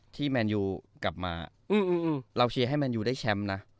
แมนยูกลับมาเราเชียร์ให้แมนยูได้แชมป์นะ